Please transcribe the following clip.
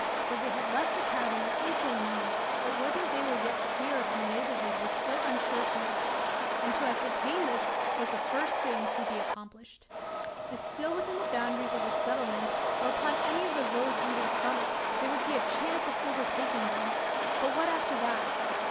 That they had left the cabin was equally known; but whether they were yet clear off from the neighbourhood, was still uncertain; and to ascertain this, was the first thing to be accomplished. If still within the boundaries of the settlement, or upon any of the roads leading from it, there would be a chance of overtaking them. But what after that?